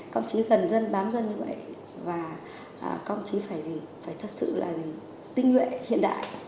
công trí gần dân bám dân như vậy công trí phải thật sự tinh nguyện hiện đại